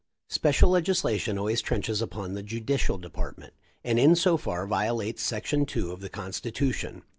"Special legislation always trenches upon the judi cial department; and in so far violates Section Two of the Constitution.